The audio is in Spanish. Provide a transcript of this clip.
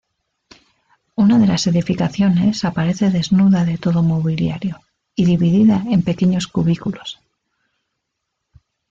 Una de las edificaciones aparece desnuda de todo mobiliario, y dividida en pequeños cubículos.